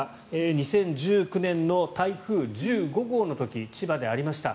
２０１９年の台風１５号の時千葉でありました。